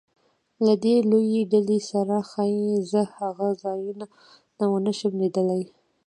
له دې لویې ډلې سره ښایي زه هغه ځایونه ونه شم لیدلی.